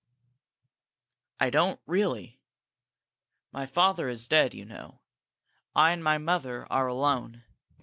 "I don't, really. My father is dead, you know. I and my mother are alone.